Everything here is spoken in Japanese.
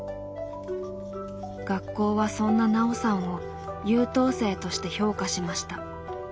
学校はそんなナオさんを「優等生」として評価しました。